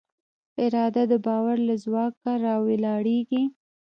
اراده د باور له ځواک راولاړېږي.